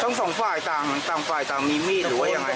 อ๋อต้องส่งฝ่ายต่างต่างฝ่ายต่างมีมีดหรือว่าอย่างไร